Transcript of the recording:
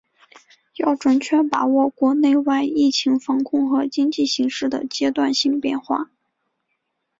要准确把握国内外疫情防控和经济形势的阶段性变化